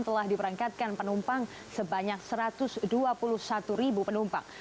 telah diperangkatkan penumpang sebanyak satu ratus dua puluh satu ribu penumpang